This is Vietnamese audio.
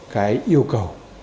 cái yêu cầu